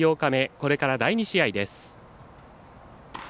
これから第２試合です。